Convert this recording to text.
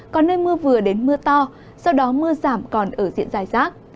có nơi mưa vừa đến mưa to sau đó mưa giảm còn ở diện dài rác